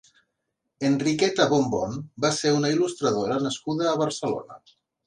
Enriqueta Bombón va ser una il·lustradora nascuda a Barcelona.